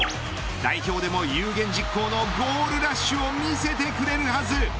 代表でも有言実行のゴールラッシュを見せてくれるはず。